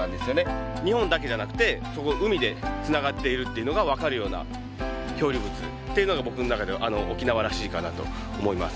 日本だけじゃなくて海でつながっているっていうのが分かるような漂流物っていうのが僕の中では沖縄らしいかなと思います。